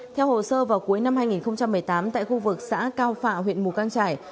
theo hồ sơ vào cuối năm hai nghìn một mươi tám tại khu vực xã cao phạ huyện mù căng trải